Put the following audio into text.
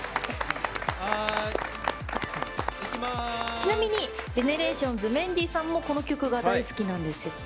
ちなみにＧＥＮＥＲＡＴＩＯＮＳのメンディーさんもこの曲が大好きなんですよね。